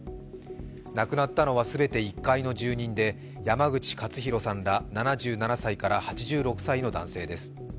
亡くなったのは全て１階の住人で山口勝弘さんら７７歳から８６歳の男性です。